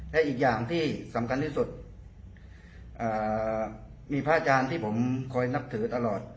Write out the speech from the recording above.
และอีกอย่างที่สำคัญที่สุดมีพระอาจารย์ที่ผมคอยนับถือตลอด